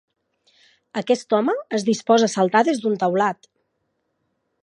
Aquest home es disposa a saltar des d'un teulat.